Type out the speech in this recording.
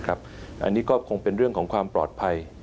อันนี้ก็คงเป็นเรื่องของความปลอดภัย